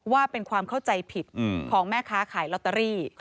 ว่าเป็นความเข้าใจผิดของแม่ค้าขายลอตเตอรี่